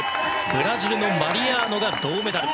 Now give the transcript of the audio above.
ブラジルのマリアーノが銅メダル。